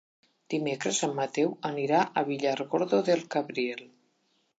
Dimecres en Mateu anirà a Villargordo del Cabriel.